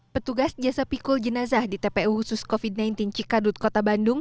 petugas jasa pikul jenazah di tpu khusus covid sembilan belas cikadut kota bandung